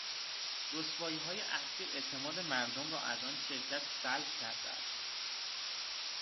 رسواییهای اخیر اعتماد مردم را از آن شرکت سلب کرده است.